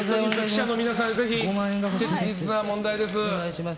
記者の皆さん、ぜひ切実な問題です。